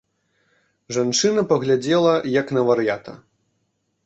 Жанчына паглядзела, як на вар'ята.